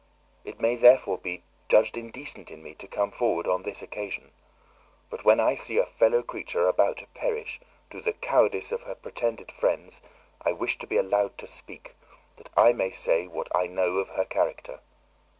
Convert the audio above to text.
It may therefore be judged indecent in me to come forward on this occasion, but when I see a fellow creature about to perish through the cowardice of her pretended friends, I wish to be allowed to speak, that I may say what I know of her character.